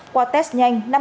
qua test nhanh